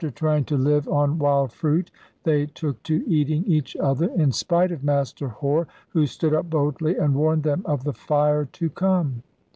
After trying to live on wild fruit they took to eating each other, in spite of Master Hore, who stood up boldly and warned them of the 'Fire to Come.'